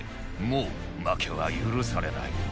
もう負けは許されない